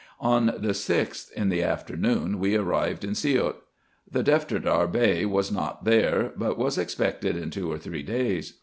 On the 6th, in the afternoon, we arrived in Siout. The Defterdar Bey was not there, but was expected in two or three days.